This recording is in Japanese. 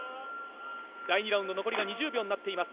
第２ラウンド残り２０秒になっています。